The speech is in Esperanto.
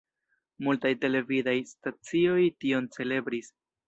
Multaj televidaj stacioj tion celebris.